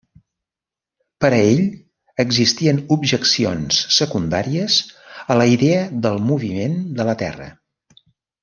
Per a ell existien objeccions secundàries a la idea del moviment de la Terra.